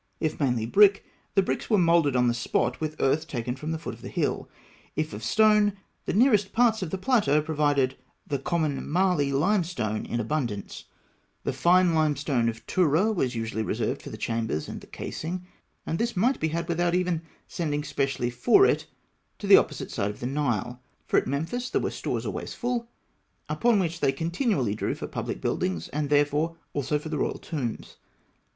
If mainly brick, the bricks were moulded on the spot with earth taken from the foot of the hill. If of stone, the nearest parts of the plateau provided the common marly limestone in abundance (Note 15). The fine limestone of Tûrah was usually reserved for the chambers and the casing, and this might be had without even sending specially for it to the opposite side of the Nile; for at Memphis there were stores always full, upon which they continually drew for public buildings, and, therefore, also for the royal tombs.